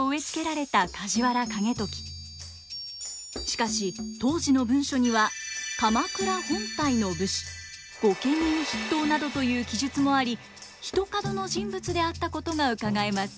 しかし当時の文書には「鎌倉本体の武士」「御家人筆頭」などという記述もありひとかどの人物であったことがうかがえます。